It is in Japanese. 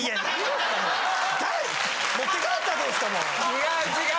違う違う。